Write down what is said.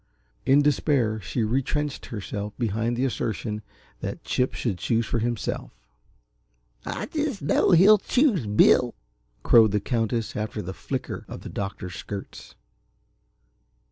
In despair she retrenched herself behind the assertion that Chip should choose for himself. "I just know he'll choose Bill," crowed the Countess after the flicker of the doctor's skirts.